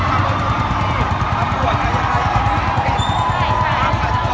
อัศวินธรรมชาติอัศวินธรรมชาติ